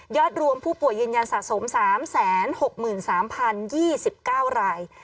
รวมผู้ป่วยยืนยันสะสม๓๖๓๐๒๙ราย